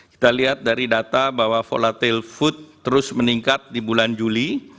kita lihat dari data bahwa volatil food terus meningkat di bulan juli